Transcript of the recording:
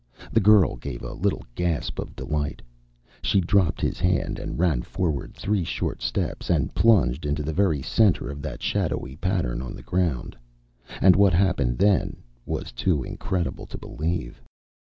The girl gave a little gasp of delight. She dropped his hand and ran forward three short steps, and plunged into the very center of that shadowy pattern on the ground. And what happened then was too incredible to believe.